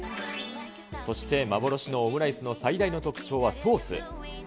そして、幻のオムライスの最大の特徴はソース。